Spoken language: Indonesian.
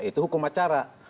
itu hukum acara